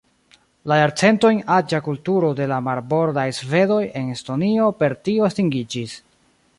La jarcentojn aĝa kulturo de la "marbordaj svedoj" en Estonio per tio estingiĝis.